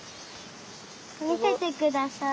みせてください。